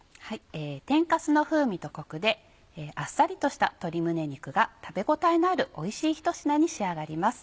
天かすの風味とコクであっさりとした鶏胸肉が食べ応えのあるおいしい一品に仕上がります。